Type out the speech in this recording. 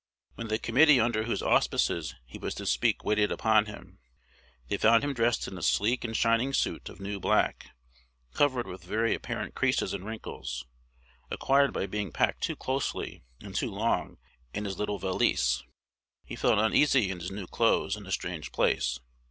When the committee under whose auspices he was to speak waited upon him, they found him dressed in a sleek and shining suit of new black, covered with very apparent creases and wrinkles, acquired by being packed too closely and too long in his little valise. He felt uneasy in his new clothes and a strange place.